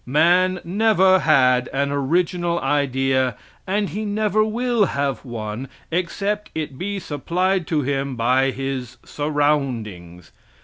Man never had an original idea, and he never will have one, except it be supplied to him by his surroundings.